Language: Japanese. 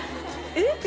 「えっ！？」